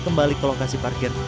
kembali ke lokasi parkir yang berbeda